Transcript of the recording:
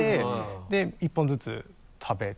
で１本ずつ食べて。